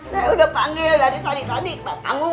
saya udah panggil dari tadi tadi ke mbak pangu